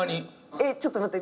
ちょっと待って。